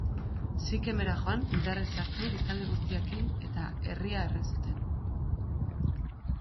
Sikem-era joan, indarrez sartu, biztanle guztiak hil eta herria erre zuen.